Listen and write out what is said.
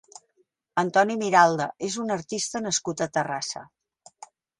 Antoni Miralda és un artista nascut a Terrassa.